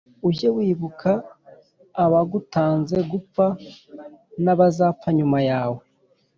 ujye wibuka abagutanze gupfa, n’abazapfa nyuma yawe.